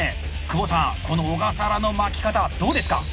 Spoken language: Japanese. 久保さんこの小笠原の巻き方どうですか？